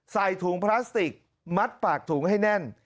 ใส่ถุงพลาสติกมัดปากถุงให้แน่น